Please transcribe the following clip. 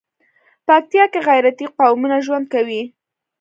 پکتيا کې غيرتي قومونه ژوند کوي.